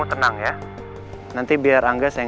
engga gak berniat aku